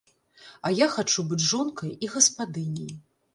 А я хачу быць жонкай і гаспадыняй.